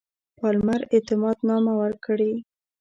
پالمر اعتماد نامه ورکړي.